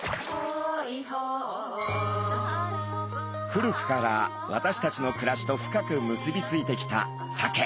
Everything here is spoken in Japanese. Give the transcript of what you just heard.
古くから私たちの暮らしと深く結び付いてきたサケ。